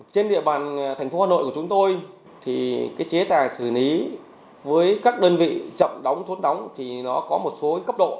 trên địa bàn thành phố hà nội của chúng tôi chế tài xử lý với các đơn vị chậm đóng thốn đóng có một số cấp độ